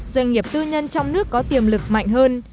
doanh nghiệp tư nhân trong nước có tiềm lực mạnh hơn